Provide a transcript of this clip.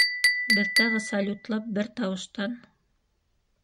Беҙ тағы салютлап бер тауыштан: